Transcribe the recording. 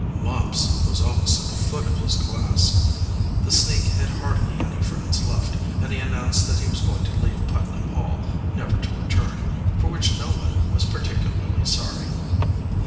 Mumps was almost at the foot of his class. The sneak had hardly any friends left, and he announced that he was going to leave Putnam Hall never to return for which no one was particularly sorry.